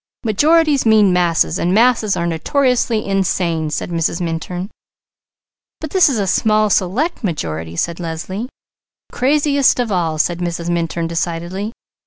"Majorities mean masses, and masses are notoriously insane!" said Mrs. Minturn. "But this is a small, select majority," said Leslie. "Craziest of all," said Mrs. Minturn decidedly.